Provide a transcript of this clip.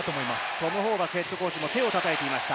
トム・ホーバスＨＣも手をたたいていました。